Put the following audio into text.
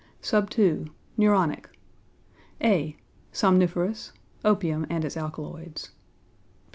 2. Neuronic. (a) Somniferous opium and its alkaloids.